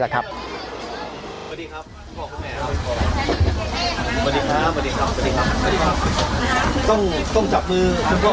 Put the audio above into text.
แหละครับพอดีครับพี่พ่อคุณแมวพอดีครับพอดีครับพอดีครับ